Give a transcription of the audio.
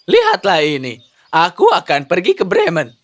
lihatlah ini aku akan pergi ke bremen